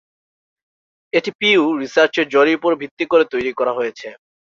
এটি পিউ রিসার্চের জরিপের উপর ভিত্তি করে তৈরি করা হয়েছে।